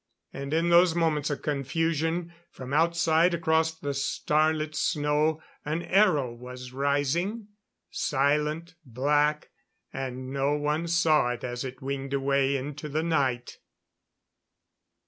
And in those moments of confusion, from outside across the starlit snow, an aero was rising. Silent, black and no one saw it as it winged away into the night.